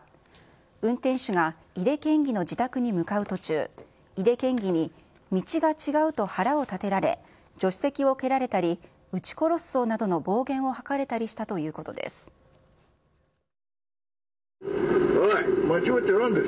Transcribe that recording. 運転手が井手県議の自宅に向かう途中、井手県議に道が違うと腹を立てられ、助手席を蹴られたり、うち殺すぞなどの暴言を吐かれたりしたということです。